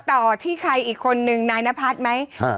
ต่อที่ใครอีกคนนึงนายนพัฒน์ไหม